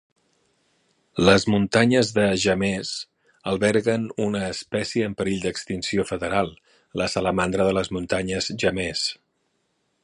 Les muntanyes de Jemez alberguen una espècie en perill d'extinció federal, la salamandra de les muntanyes Jemez.